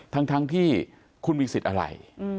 ทั้งที่คุณมีสิทธิ์อะไร